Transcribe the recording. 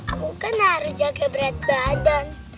aku kan harus jaga berat badan